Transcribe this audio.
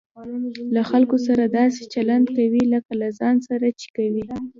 له خلکو سره داسي چلند کوئ؛ لکه له ځان سره چې کوى.